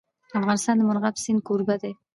افغانستان د مورغاب سیند کوربه دی.